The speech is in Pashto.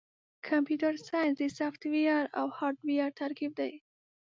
کمپیوټر ساینس د سافټویر او هارډویر ترکیب دی.